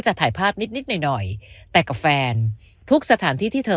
จะถ่ายภาพนิดหน่อยแต่กับแฟนทุกสถานที่ที่เธอ